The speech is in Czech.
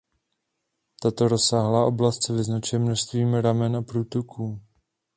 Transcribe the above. Tato rozsáhlá oblast se vyznačuje množstvím ramen a průtoků.